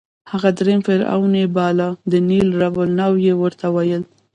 هغه درېیم فرعون یې باله، د نېل رب النوع یې ورته ویل.